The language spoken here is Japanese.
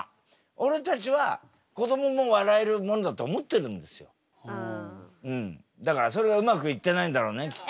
俺たちはだからそれがうまくいってないんだろうねきっとね。